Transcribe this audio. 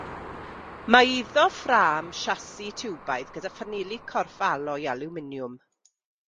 Mae iddo ffrâm siasi tiwbaidd gyda phaneli corff aloi alwminiwm.